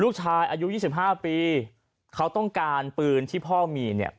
ลูกชายอายุ๒๕ปีเขาต้องการปืนที่พ่อมีเนี่ย